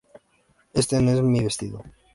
Este no es mi vestido.